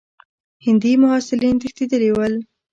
هندي محصلین تښتېدلي ول.